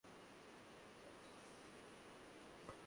কি, বস?